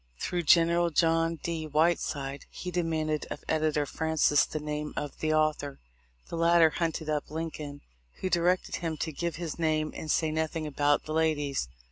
Through General John D. Whiteside he demanded of edi tor Francis the name of the author. The latter hunted up Lincoln, who directed him to give his name and say nothing about the ladies.